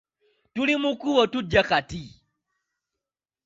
Tuli mu kkubo tujja kati.